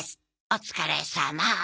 お疲れさま